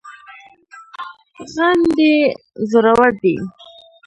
غم دي زورور دی